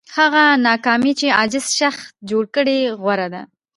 هغه ناکامي چې عاجز شخص جوړ کړي غوره ده.